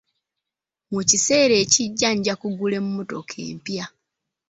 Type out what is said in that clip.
Mu kiseera ekijja nja kugula emmotoka empya.